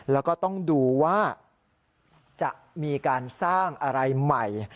แล้วก็ต้องดูว่าจะมีการสร้างอะไรใหม่